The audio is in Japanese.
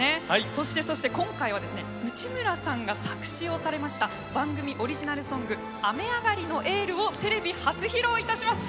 そしてそして今回はですね内村さんが作詞をされました番組オリジナルソング「雨上がりのエール」をテレビ初披露いたします！